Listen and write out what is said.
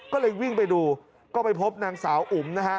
ก็เลยวิ่งไปดูก็ไปพบนางสาวอุ๋มนะฮะ